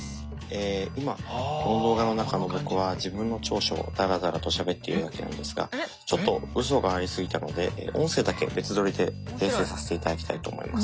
今この動画の中の僕は自分の長所をダラダラとしゃべっているわけなんですがちょっとうそがありすぎたので音声だけ別撮りで訂正させていただきたいと思います。